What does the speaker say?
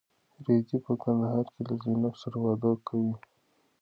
رېدی په کندهار کې له زینب سره واده کوي.